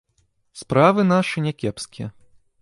Справы нашы не кепскія.